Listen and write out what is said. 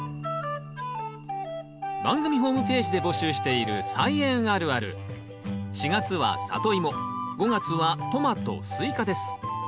番組ホームページで募集している４月は「サトイモ」５月は「トマトスイカ」です。